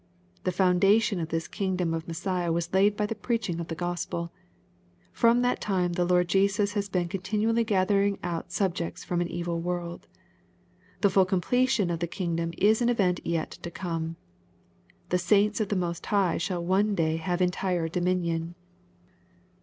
The foundation of this kingdom of Messiah was laid bv the preaching of the Gospel. From that time the Lord Jesus has been continually gathering out subjects from an evil world. The full completion of the kingdom is an event yet to come. The saints of the Most High shall one day have entire dominion.